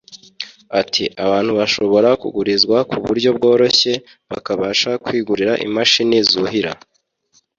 Ati “Abantu bashobora kugurizwa kuburyo bworoshye bakabasha kwigurira imashini zuhira